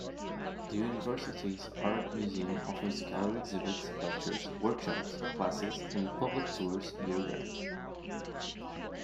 The university's art museum offers gallery exhibits, lectures, workshops, classes, and public tours year-round.